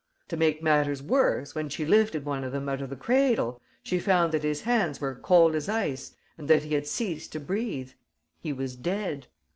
To make matters worse, when she lifted one of them out of the cradle, she found that his hands were cold as ice and that he had ceased to breathe. He was dead.